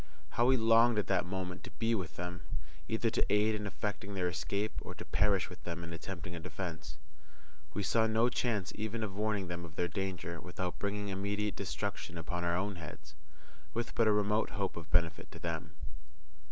How we longed at that moment to be with them! either to aid in effecting their escape, or to perish with them in attempting a defence. We saw no chance even of warning them of their danger without bringing immediate destruction upon our own heads, with but a remote hope of benefit to them.